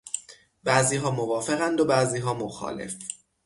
بعضیها موافقند و بعضیها مخالف.